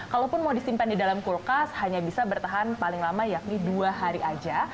kalaupun mau disimpan di dalam kulkas hanya bisa bertahan paling lama yakni dua hari saja